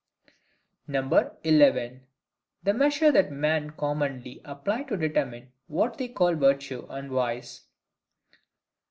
11. The Measure that Man commonly apply to determine what they call Virtue and Vice.